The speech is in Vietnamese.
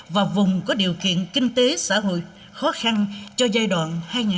và vùng có điều kiện kinh tế xã hội khó khăn cho giai đoạn hai nghìn hai mươi một hai nghìn hai mươi năm